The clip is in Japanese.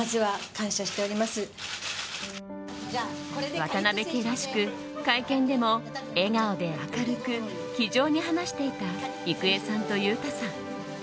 渡辺家らしく会見でも笑顔で明るく気丈に話していた郁恵さんと裕太さん。